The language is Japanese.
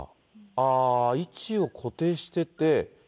位置を固定してて。